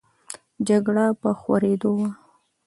جګړه په خورېدو وه.